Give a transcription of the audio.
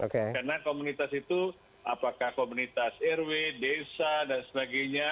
karena komunitas itu apakah komunitas rw desa dan sebagainya